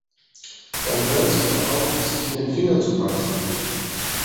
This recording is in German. Dann hören Sie doch auf, sich in den Finger zu beißen!